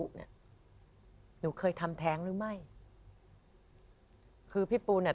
ก็คิดว่าอย่างนั้นเคยทำแท้งหรือไม่